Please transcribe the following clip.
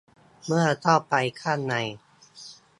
เมื่อเข้าไปข้างใน